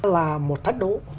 là một thách độ